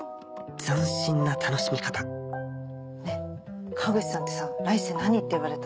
斬新な楽しみ方ねぇ河口さんってさ来世何って言われた？